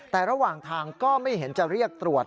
แต่ระหว่างทางก็ไม่เห็นจะเรียกตรวจ